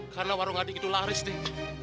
karena warung adik itu laris dik